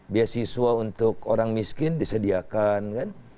beasiswa untuk orang miskin disediakan kan